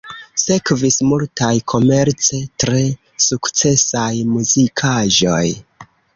Sekvis multaj komerce tre sukcesaj muzikaĵoj.